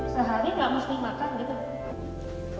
sehari nggak mesti makan gitu